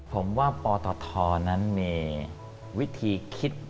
ผมว่าปตทนั้นมีวิธีคิด